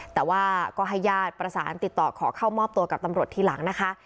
แต่ว่าก็ให้ญาติประสานติดต่อขอเข้ามอบตัวกับตำรวจทีหลังนะคะ